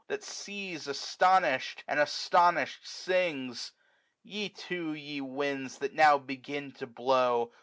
That sees astonish'd ! and astonish'd sings ! no Ye too, ye winds ! that now begin to blow.